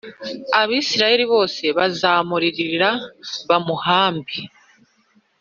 Abisirayeli bose bazamuririra bamuhambe